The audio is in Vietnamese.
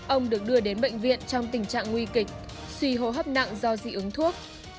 ông được đưa đến bệnh viện trong tình trạng nguy kịch suy hô hấp nặng do dị ứng thuốc